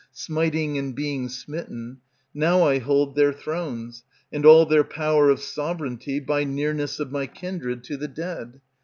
Smiting and being smitten, now I hold Their thrones and all their power of sov'relgnty By nearness of my kindred to the dead.